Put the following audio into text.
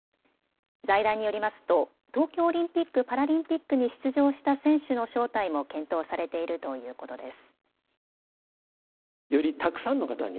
財団によりますと、東京オリンピック・パラリンピックに出場した選手の招待も検討されているということです。